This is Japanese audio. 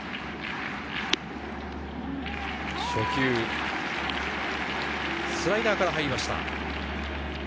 初球、スライダーから入りました。